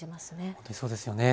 本当にそうですよね。